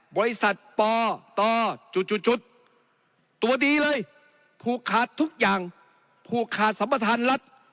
บริษัทปตจุดตัวดีเลยผูกขาดทุกอย่างผูกขาดสัมประธานรัฐ